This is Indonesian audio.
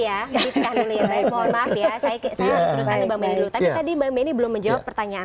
tadi mbak beni belum menjawab pertanyaan